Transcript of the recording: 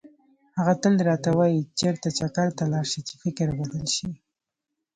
هغه تل راته وایي چېرته چکر ته لاړ شه چې فکر بدل شي.